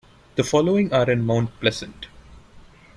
The following are in Mount Pleasant.